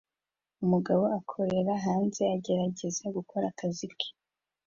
Umugabo akorera hanze agerageza gukora akazi ke